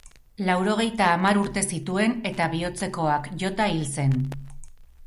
Laurogeita hamar urte zituen eta bihotzekoak jota hil zen.